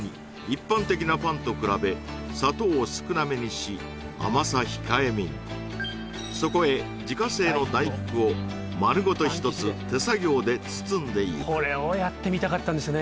一般的なパンと比べ砂糖を少なめにし甘さ控えめにそこへ自家製の大福を丸ごと一つ手作業で包んでいくこれをやってみたかったんですよ